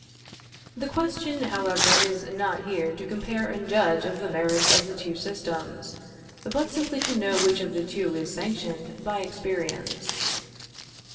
The question, however, is not here to compare and judge of the merits of the two systems, but simply to know which of the two is sanctioned by experience.